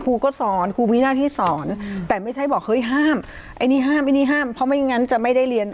ครูก็สอนครูมีหน้าที่สอนแต่ไม่ใช่บอกเฮ้ยห้ามไอ้นี่ห้ามไอ้นี่ห้ามเพราะไม่งั้นจะไม่ได้เรียน